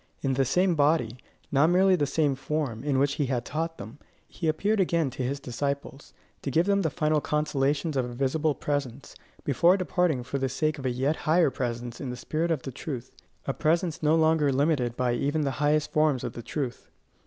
In the same body not merely the same form, in which he had taught them, he appeared again to his disciples, to give them the final consolations of a visible presence, before departing for the sake of a yet higher presence in the spirit of truth, a presence no longer limited by even the highest forms of the truth.